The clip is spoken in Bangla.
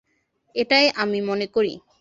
এটাই আমি মনে করি।